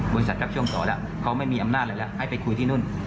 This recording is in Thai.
ครับช่วงต่อแล้วเขาไม่มีอำนาจอะไรแล้วให้ไปคุยที่นู่น